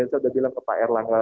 saya sudah bilang ke pak erlangga